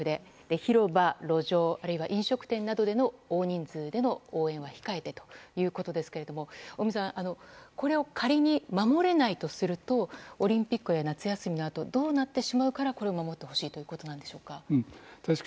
広場、路上あるいは飲食店などでの大人数での応援は控えてということですが尾身さんこれを仮に守れないとするとオリンピックや夏休みのあとどうなってしまうからこれを守ってほしいということなんでしょうか。